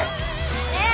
ねえ？